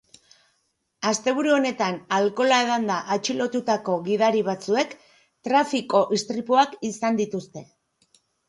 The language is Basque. Asteburu honetan alkohola edanda atxilotutako gidari batzuek trafiko istripuak izan dituzte.